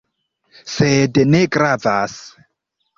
Sed ne gravas.